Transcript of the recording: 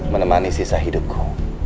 menemani sisa hidupku